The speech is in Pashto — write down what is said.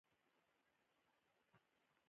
له لرګینو سکرو څخه ګټه اخیستل کېده.